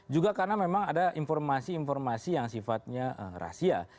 juga karena memang ada informasi informasi yang sifatnya rahasia